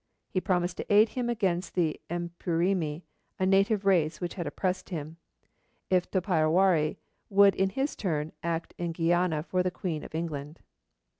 He promised to aid him against the Epuremi, a native race which had oppressed him, if Topiawari would in his turn act in Guiana for the Queen of England.